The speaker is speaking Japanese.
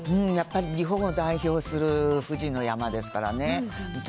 やっぱり日本を代表する富士の山ですからね。